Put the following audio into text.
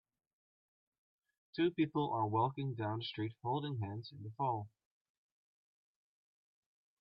Two people are walking down the street holding hands in the fall.